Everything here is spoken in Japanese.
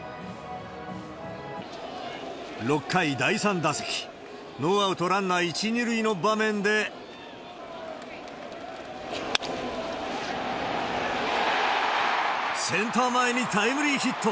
６回第３打席、ノーアウトランナー１、２塁の場面で、センター前にタイムリーヒット。